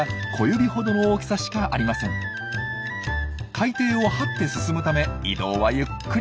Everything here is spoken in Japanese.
海底をはって進むため移動はゆっくり。